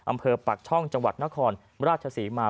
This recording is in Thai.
อำเภอปากช่องจังหวัดนครราชศรีมา